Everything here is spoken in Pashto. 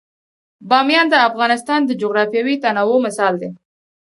بامیان د افغانستان د جغرافیوي تنوع مثال دی.